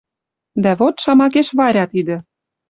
Дӓ вот, шамакеш, Варя тидӹ.